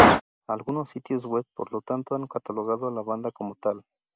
Algunos sitios web por lo tanto han catalogado a la banda como tal.